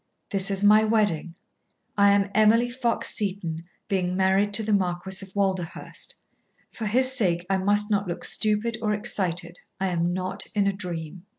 This is my wedding. I am Emily Fox Seton being married to the Marquis of Walderhurst. For his sake I must not look stupid or excited. I am not in a dream."